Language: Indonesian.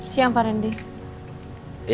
siap pak rendy